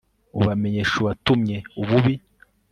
ubamenyesha uwagutumye, ububi